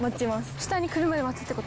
下に来るまで待つってこと？